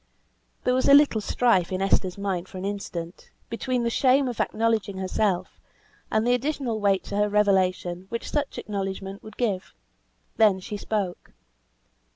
There was a little strife in Esther's mind for an instant, between the shame of acknowledging herself, and the additional weight to her revelation which such acknowledgment would give. Then she spoke.